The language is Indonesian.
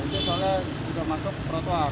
itu soalnya sudah masuk ke trotoar